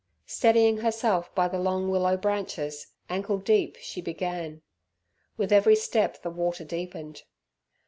Steadying herself by the long willow branches, ankle deep she began. With every step the water deepened.